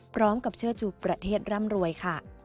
พร้อมกับเชื่อชูประเทศร่ำรวยค่ะ